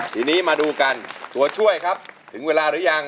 ทีนี้มาดูกันตัวช่วยครับถึงเวลาหรือยัง